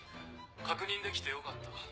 確認できてよかった。